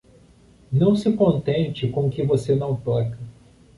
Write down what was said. Não se contente com o que você não toca.